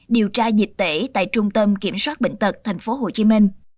điều tra dịch tễ tại trung tâm kiểm soát bệnh tật tp hcm